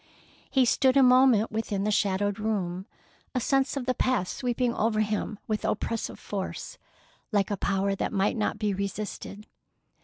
He stood a moment within the shadowed room, a sense of the past sweeping over him with oppressive force, like a power that might not be resisted.